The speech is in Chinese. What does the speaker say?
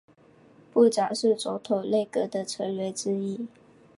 部长是总统内阁的成员之一。